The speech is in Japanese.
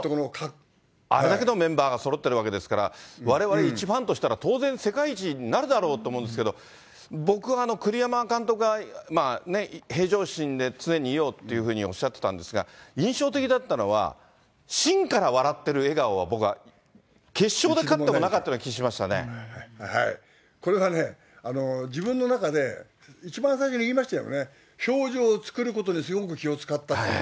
あれだけのメンバーがそろってるわけですから、われわれ一番としたら当然、世界一になるだろうと思うんですけど、僕は栗山監督が、平常心で常にいようっていうふうにおっしゃってたんですが、印象的だったのは、しんから笑ってる笑顔は僕は、決勝で勝ってもなかったような気しこれがね、自分の中で一番最初に言いましたよね、表情を作ることにすごく気を遣ったと。